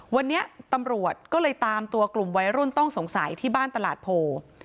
วันนี้ตำรวจก็เลยตามตัวกลุ่มวัยรุ่นต้องสงสัยที่บ้านตลาดโพ